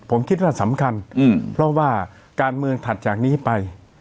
ผมคิดว่าสำคัญเพราะว่าการเมืองถัดจากนี้ไป